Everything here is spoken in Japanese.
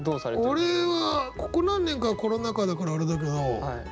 俺はここ何年かはコロナ禍だからあれだけど。